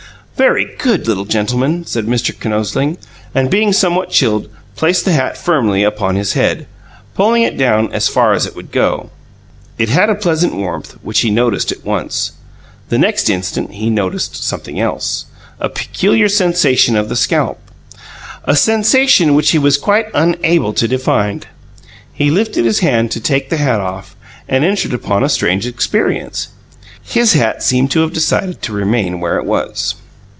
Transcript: "Very good, little gentleman!" said Mr. Kinosling, and being somewhat chilled, placed the hat firmly upon his head, pulling it down as far as it would go. It had a pleasant warmth, which he noticed at once. The next instant, he noticed something else, a peculiar sensation of the scalp a sensation which he was quite unable to define. He lifted his hand to take the hat off, and entered upon a strange experience: his hat seemed to have decided to remain where it was.